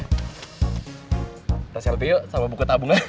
kita selfie yuk sama buku tabungan